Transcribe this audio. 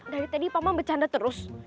dari tadi pak mama bercanda terus